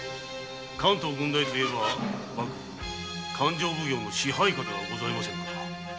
関東郡代といえば幕府勘定奉行の支配下ではございませぬか。